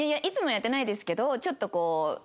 いつもはやってないですけどちょっとこう。